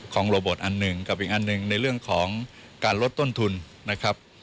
โรเบิร์ตอันหนึ่งกับอีกอันหนึ่งในเรื่องของการลดต้นทุนนะครับ